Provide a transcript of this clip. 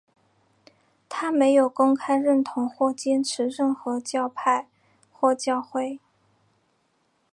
他没有公开认同或坚持任何教派或教会。